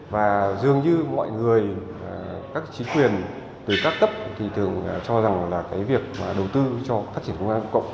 và dường như mọi người các chính quyền từ các cấp thì thường cho rằng là cái việc mà đầu tư cho phát triển công an công cộng